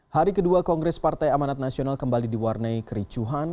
hari kedua kongres partai amanat nasional kembali diwarnai kericuhan